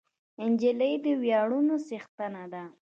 نجلۍ د ویاړونو څښتنه ده.